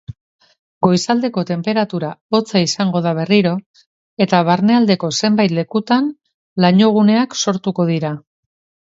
Goizaldeko tenperatura hotza izango da berriro eta barnealdeko zenbait lekutan lainoguneak sortuko dira.